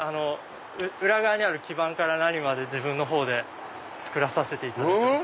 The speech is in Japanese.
⁉裏側にある基板から何まで自分のほうで作りました。